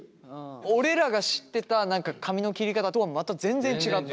俺らが知ってた何か髪の切り方とはまた全然違った。